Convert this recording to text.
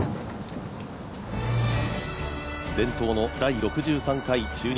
伝統の第６３回中日